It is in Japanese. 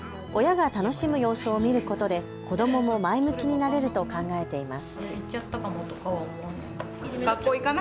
子どもの参加は自由ですが親が楽しむ様子を見ることで子どもも前向きになれると考えています。